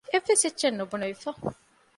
އެއްވެސް އެއްޗެއް ނުބުނެވިފަ